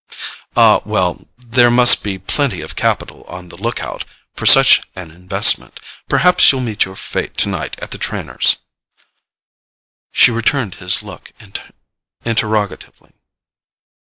"Ah, well, there must be plenty of capital on the look out for such an investment. Perhaps you'll meet your fate tonight at the Trenors'." She returned his look interrogatively.